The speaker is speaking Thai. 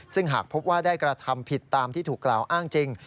ซึ่งหากพบว่าได้กระทำผิดตามที่ถูกกล่าวอ้างจริง